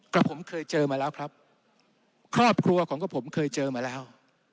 กับผมเคยเจอมาแล้วครับครอบครัวของก็ผมเคยเจอมาแล้ว